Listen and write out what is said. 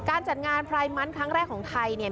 การจัดงานพรายมันครั้งแรกของไทยเนี่ย